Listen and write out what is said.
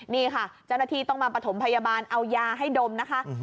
นี่ค่ะเจ้าหน้าที่ต้องมาประถมพยาบาลเอายาให้ดมนะคะ